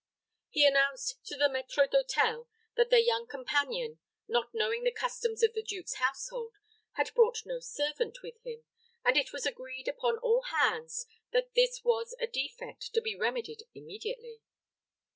He announced to the maître d'hôtel that their young companion, not knowing the customs of the duke's household, had brought no servant with him, and it was agreed upon all hands that this was a defect to be remedied immediately.